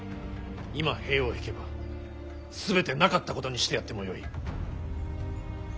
今兵を引けば全てなかったことにしてやってもよい。